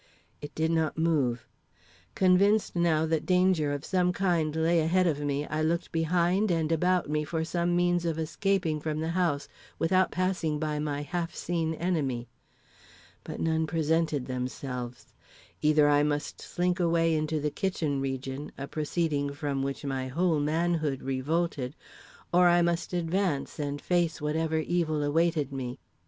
It did not move. Convinced now that danger of some kind lay ahead of me, I looked behind and about me for some means of escaping from the house without passing by my half seen enemy. But none presented themselves. Either I must slink away into the kitchen region a proceeding from which my whole manhood revolted, or I must advance and face whatever evil awaited me.